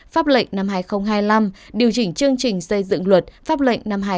pháp lệnh năm hai nghìn hai mươi năm điều chỉnh chương trình xây dựng luật pháp lệnh năm hai nghìn hai mươi